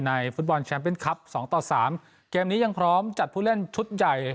ฟุตบอลแชมป์เป็นคลับสองต่อสามเกมนี้ยังพร้อมจัดผู้เล่นชุดใหญ่